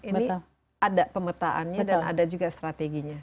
ini ada pemetaannya dan ada juga strateginya